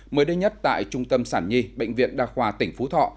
mới đây nhất tại trung tâm sản nhi bệnh viện đa khoa tỉnh phú thọ